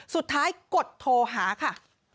สุดท้ายกดโทรหาค่ะ